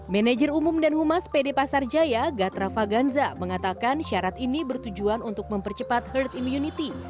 manajer umum dan humas pd pasar jaya gatravaganza mengatakan syarat ini bertujuan untuk mempercepat herd immunity